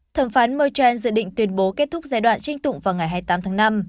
thẩm phán mechen dự định tuyên bố kết thúc giai đoạn tranh tụng vào ngày hai mươi tám tháng năm